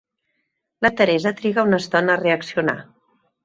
La Teresa triga una estona a reaccionar.